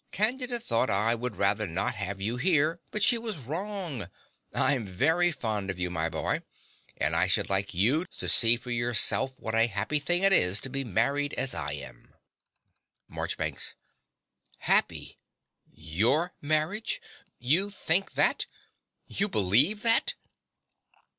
Candida thought I would rather not have you here; but she was wrong. I'm very fond of you, my boy, and I should like you to see for yourself what a happy thing it is to be married as I am. MARCHBANKS, Happy! YOUR marriage! You think that! You believe that!